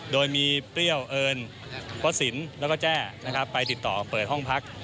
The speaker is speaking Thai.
โดยมีเปรี้ยวเอิญพระสินแล้วก็แจ้นะครับไปติดต่อเปิดห้องพัก